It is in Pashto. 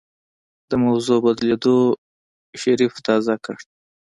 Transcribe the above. د موضوع بدلېدو شريف تازه کړ.